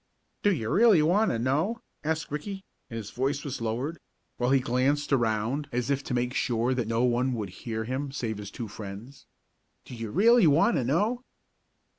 "Do you really want to know?" asked Ricky, and his voice was lowered, while he glanced around as if to make sure that no one would hear him save his two friends. "Do you really want to know?"